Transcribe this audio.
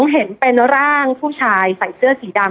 เห็นเป็นร่างผู้ชายใส่เสื้อสีดำ